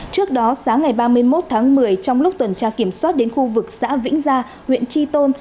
trước đó sáng ngày ba mươi một tháng một mươi trong lúc tuần tra kiểm soát đến khu vực xã vĩnh gia huyện tri tôn